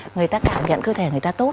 người ta cảm nhận cơ thể người ta tốt